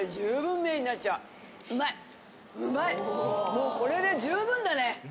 もうこれで十分だね。